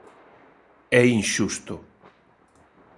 É inxusto.